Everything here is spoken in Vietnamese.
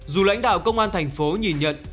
dù lãnh đạo công an thành phố nhìn nhận